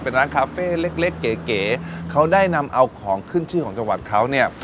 เป็นร้านคาเฟ่เล็กเล็กเก๋เก๋เขาได้นำเอาของขึ้นชื่อของจังหวัดเขาเนี่ย